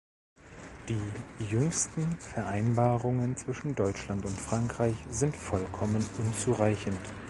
Die jüngsten Vereinbarungen zwischen Deutschland und Frankreich sind vollkommen unzureichend.